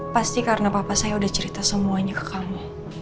pasti karena papa saya sudah cerita semuanya ke kamu